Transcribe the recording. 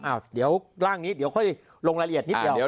เดี๋ยวร่างนี้เดี๋ยวค่อยลงรายละเอียดนิดเดียว